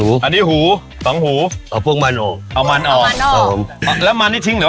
รอบวงมานเอามันรอ